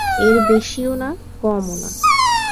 এর বেশিও না, কমও না।